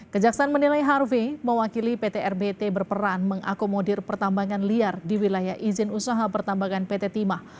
kejaksaan menilai harvey mewakili pt rbt berperan mengakomodir pertambangan liar di wilayah izin usaha pertambangan pt timah